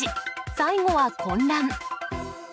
最後は混乱。